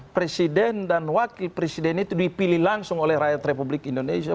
presiden dan wakil presiden itu dipilih langsung oleh rakyat republik indonesia